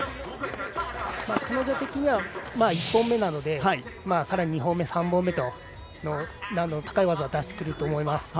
彼女的には１本目なのでさらに２本目、３本目と難度の高い技を出してくると思います。